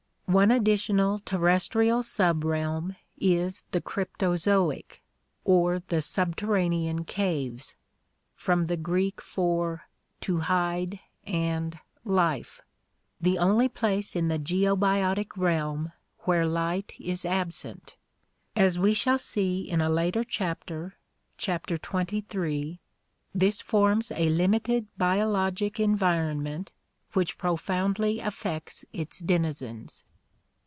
One additional terrestrial subrealm is the Cryptozoic (Gr. xpvirnk, to hide, and (fa*?, life) or the subterranean caves, the only place in the geobiotic realm where light is absent. As we shall see in a later chapter (Chapter XXIII) this forms a limited biologic en vironment which profoundly affects its denizens.